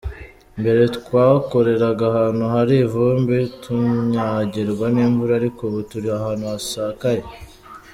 Mbere twakoreraga ahantu hari ivumbi, tunyagirwa n’imvura ariko ubu turi ahantu hasakaye.